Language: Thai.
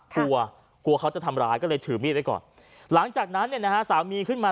กลัวกลัวเขาจะทำร้ายก็เลยถือมีดไว้ก่อนหลังจากนั้นเนี่ยนะฮะสามีขึ้นมา